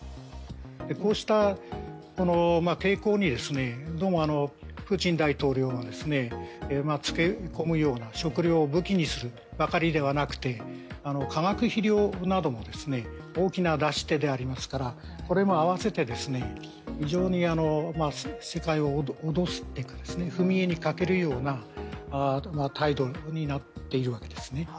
こうした傾向に、どうもプーチン大統領はつけ込むような食料を武器にするばかりではなくて化学肥料なども大きな出し手でありますから、これも合わせて非常に世界を脅すというか踏み絵にかけるような態度になっているわけですね。